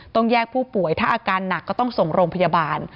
ต้องแยกผู้ป่วยถ้าอาการหนักก็ต้องส่งโรงพยาบาล